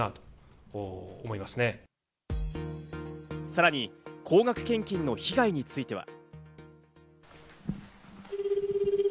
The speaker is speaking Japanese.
さらに高額献金の被害については。